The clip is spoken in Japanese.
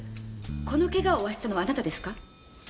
このケガを負わせたのはあなたですか？